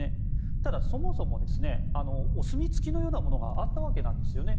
ただ、そもそもお墨付きのようなものがあったわけなんですよね。